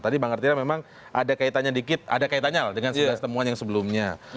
tadi bang artirah memang ada kaitannya dengan sebelas temuan yang sebelumnya